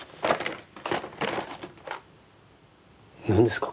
何ですか？